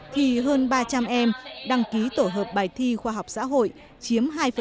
thì hơn ba trăm linh em đăng ký tổ hợp bài thi khoa học xã hội